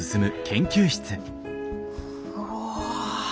うわ！